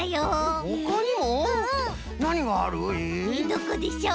どこでしょう？